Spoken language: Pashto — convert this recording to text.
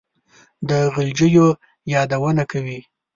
د غلجیو یادونه کوي.